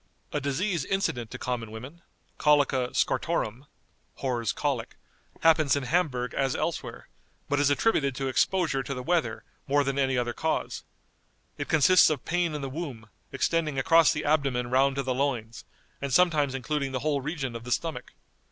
A disease incident to common women, Colica scortorum (W 's Colic), happens in Hamburg as elsewhere, but is attributed to exposure to the weather more than any other cause. It consists of pain in the womb, extending across the abdomen round to the loins, and sometimes including the whole region of the stomach.